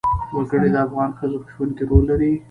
وګړي د افغان ښځو په ژوند کې رول لري.